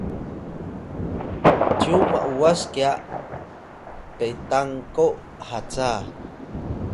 cyu m’was kya Petangko haca